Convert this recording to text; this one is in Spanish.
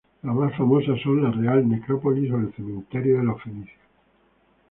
Las más famosas son la Real Necrópolis o el Cementerio de los Fenicios.